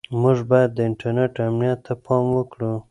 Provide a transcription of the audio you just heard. موږ باید د انټرنیټ امنیت ته پام وکړو.